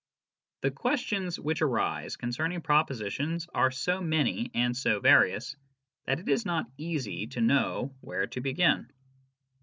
The questions which arise concerning propositions are so many and various that it is not easy to know where to begin.